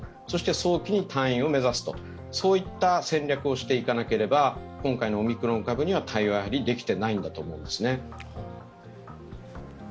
そして早期に退院を目指すといった戦略をしていかなければ今回のオミクロン株には対応はできてないんだと思うんですね。